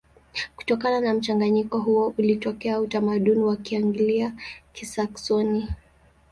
Kutokana na mchanganyiko huo ulitokea utamaduni wa Kianglia-Kisaksoni.